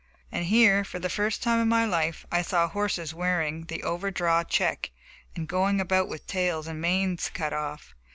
And here, for the first time in my life, I saw horses wearing the over draw check, and going about with tails and manes cut off.